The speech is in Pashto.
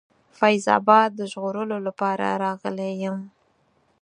فیض آباد د ژغورلو لپاره راغلی یم.